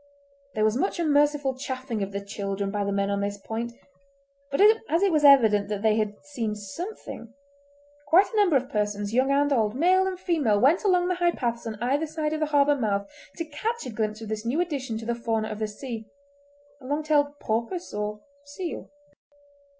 There was much unmerciful chaffing of the children by the men on this point, but as it was evident that they had seen something, quite a number of persons, young and old, male and female, went along the high paths on either side of the harbour mouth to catch a glimpse of this new addition to the fauna of the sea, a long tailed porpoise or seal.